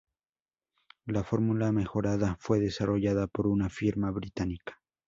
La fórmula mejorada fue desarrollada por una firma británica.